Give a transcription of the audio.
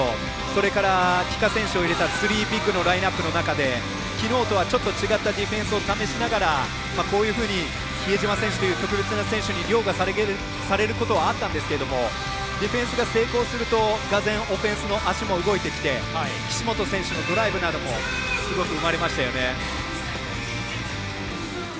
それから、帰化選手を入れたスリービッグのラインナップの中できのうとはちょっと違ったディフェンスを試しながらこういうふうに比江島選手という特別な選手にりょうがされることはあったんですけどディフェンスが成功するとがぜんオフェンスの足も動いてきて岸本選手のドライブなどもすごく生まれましたよね。